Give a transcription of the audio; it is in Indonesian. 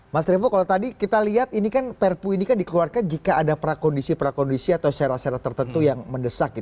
mas revo kalau tadi kita lihat ini kan perpu ini kan dikeluarkan jika ada prakondisi prakondisi atau syarat syarat tertentu yang mendesak